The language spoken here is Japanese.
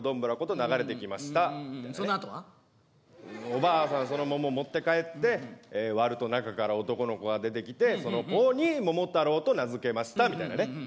おばあさんはその桃持って帰って割ると中から男の子が出てきてその子に桃太郎と名付けましたみたいなね。